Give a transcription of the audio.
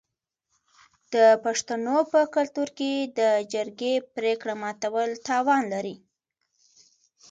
د پښتنو په کلتور کې د جرګې پریکړه ماتول تاوان لري.